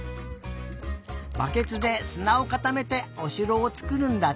バケツですなをかためておしろをつくるんだって。